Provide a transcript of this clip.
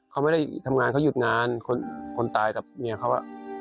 เขาไม่ได้ทำงานเขาหยุดงานคนตายกับเมียเขา